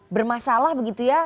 bermasalah begitu ya